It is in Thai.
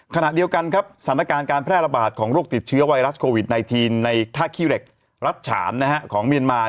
ขณะเดียวกันครับสถานการณ์การแพร่ระบาดของโรคติดเชื้อไวรัสโควิด๑๙ในท่าขี้เหล็กรัฐฉานของเมียนมา